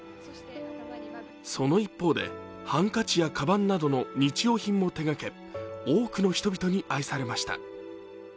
その一方で、ハンカチやかばんなどの日用品も手がけ多くの人々に愛されました。